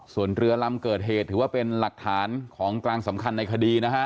ส่วนเรือลำเกิดเหตุถือว่าเป็นหลักฐานของกลางสำคัญในคดีนะฮะ